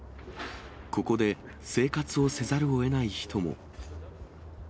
ここで生活をせざるをえない人も。